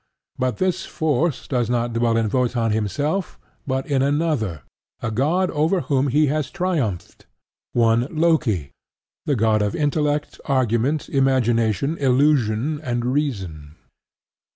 But this force does not dwell in Wotan himself, but in another, a god over whom he has triumphed, one Loki, the god of Intellect, Argument, Imagination, Illusion, and Reason.